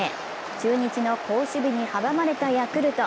中日の好守備に阻まれたヤクルト。